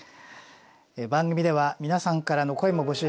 番組では皆さんからの声も募集しています。